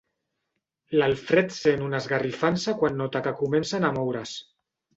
L'Alfred sent una esgarrifança quan nota que comencen a moure's.